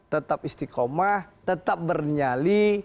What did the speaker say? tetap istiqomah tetap bernyali